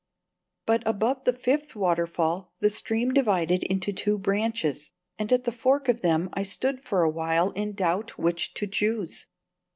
But above the fifth waterfall the stream divided into two branches, and at the fork of them I stood for a while in doubt which to choose.